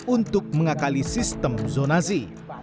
untuk mengakali sistem zonasi